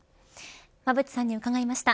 馬渕さんに伺いました。